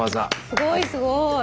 すごいすごい！